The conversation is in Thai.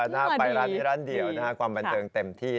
น่าไปร้านนี้ร้านเดียวนะฮะความบันเทิงเต็มที่